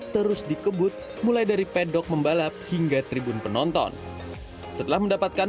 terus dikebut mulai dari pedok membalap hingga tribun penonton setelah mendapatkan